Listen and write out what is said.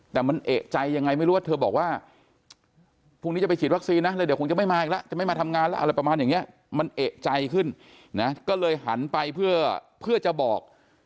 แต่มันเอกใจยังไงไม่รู้ว่าเธอบอกว่าพรุ่งนี้จะไปฉีดวัคซีนนะเลยเดี๋ยวคงจะไม่มาอีกแล้วจะไม่มาทำงานแล้วอะไรประมาณอย่างนี้มันเอกใจขึ้นนะก็เลยหันไปเพื่อจะบอก